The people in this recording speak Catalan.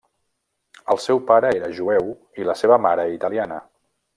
El seu pare era jueu i la seva mare italiana.